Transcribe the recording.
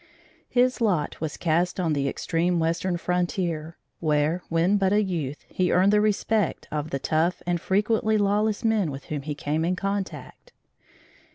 His lot was cast on the extreme western frontier, where, when but a youth, he earned the respect of the tough and frequently lawless men with whom he came in contact.